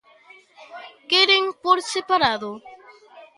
¿Queren por separado?